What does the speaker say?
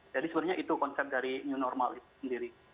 jadi sebenarnya itu konsep dari new normal sendiri